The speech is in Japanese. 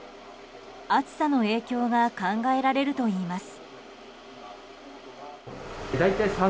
暑さの影響が考えられるといいます。